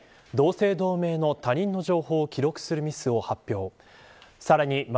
同姓同名の他人の情報を記録するミスを発表。